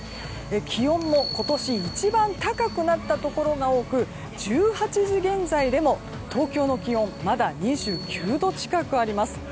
気温も今年一番高くなったところが多く１８時現在でも東京の気温まだ２９度近くあります。